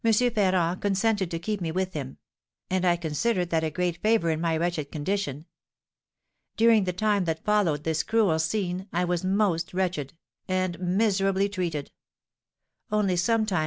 Ferrand consented to keep me with him; and I considered that a great favour in my wretched condition. During the time that followed this cruel scene, I was most wretched, and miserably treated; only sometimes M.